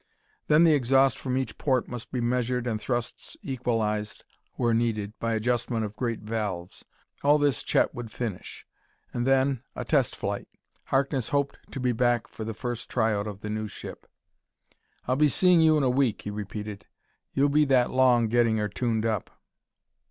Then the exhaust from each port must be measured and thrusts equalized, where needed, by adjustment of great valves. All this Chet would finish. And then a test flight. Harkness hoped to be back for the first try out of the new ship. "I'll be seeing you in a week," he repeated. "You'll be that long getting her tuned up."